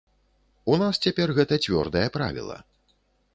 У нас цяпер гэта цвёрдае правіла.